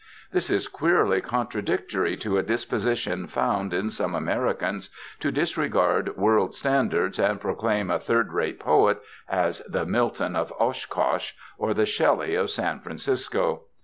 This is queerly contradictory to a disposition found in some Americans to disregard world standards and proclaim a third rate poet as the Milton of Oshkosh or the Shelley of San Francisco.